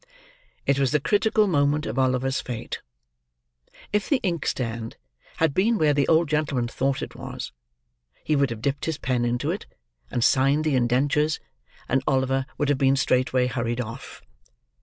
It was the critical moment of Oliver's fate. If the inkstand had been where the old gentleman thought it was, he would have dipped his pen into it, and signed the indentures, and Oliver would have been straightway hurried off.